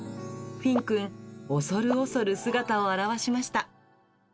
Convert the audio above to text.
フィンくん、恐る恐る姿を現しました。